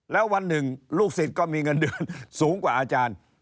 แล้ววันหนึ่งลูกศิษย์ก็มีเงินเดือนสูงกว่าอาจารย์